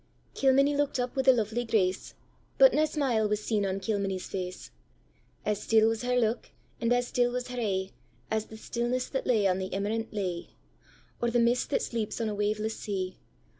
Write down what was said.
'Kilmeny look'd up with a lovely grace, But nae smile was seen on Kilmeny's face; As still was her look, and as still was her e'e, As the stillness that lay on the emerant lea, Or the mist that sleeps on a waveless sea.